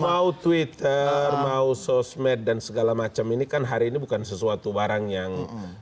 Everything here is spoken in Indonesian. mau twitter mau sosmed dan segala macam ini kan hari ini bukan sesuatu barang yang